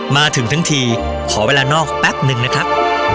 มาถึงทั้งทีขอเวลานอกแป๊บหนึ่งนะครับ